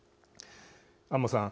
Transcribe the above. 安間さん。